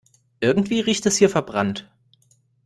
Irgendwie riecht es hier verbrannt.